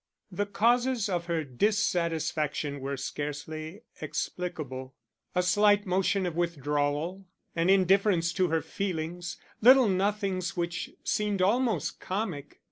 The causes of her dissatisfaction were scarcely explicable: a slight motion of withdrawal, an indifference to her feelings little nothings which had seemed almost comic.